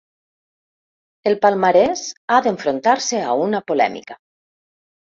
El palmarès ha d'enfrontar-se a una polèmica.